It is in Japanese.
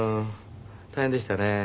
大変でしたね。